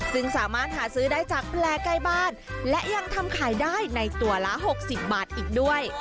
ซึ่งสามารถหาซื้อได้จากแปลใกล้บ้านและยังทำขายได้ในตัวละ๖๐บาทอีกด้วย